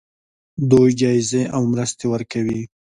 دوی جایزې او مرستې ورکوي.